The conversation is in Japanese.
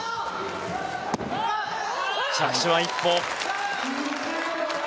着地は１歩。